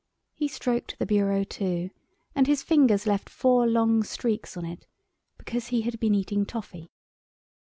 He stroked the bureau too and his fingers left four long streaks on it, because he had been eating toffee.